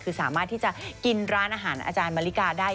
คือสามารถที่จะกินร้านอาหารอาจารย์มาริกาได้